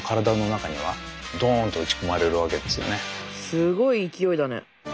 すごい勢いだね。